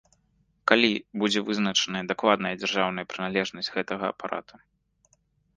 Калі будзе вызначаная дакладная дзяржаўная прыналежнасць гэтага апарата.